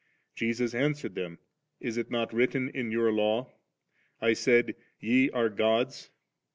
Jesus answeied them. Is it not written in your law, I said. Ye are mds?